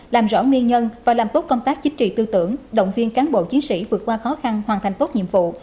làm rõ nguyên nhân và làm tốt công tác chính trị tư tưởng động viên cán bộ chiến sĩ vượt qua khó khăn hoàn thành tốt nhiệm vụ